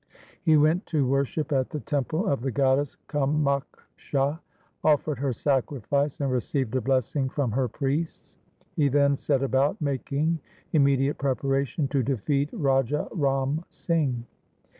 He went to worship at the temple of the goddess Kamakhsha, offered her sacrifice, and received a blessing from her priests. He then set about making immediate preparation to defeat Raja Ram Singh.